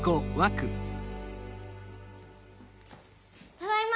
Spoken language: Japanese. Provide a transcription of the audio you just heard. ただいま！